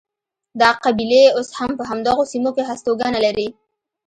دا قبیلې اوس هم په همدغو سیمو کې هستوګنه لري.